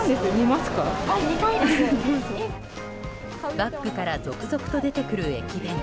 バッグから続々と出てくる駅弁。